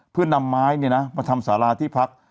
เพื่อนำไม้มาทำสาราที่พัก